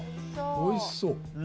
おいしそう。